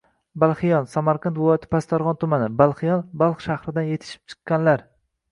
Balxiyon – q., Samarqand viloyati Pastdarg‘om tumani. Balxiyon «Balx shahridan yetishib chiqqanlar».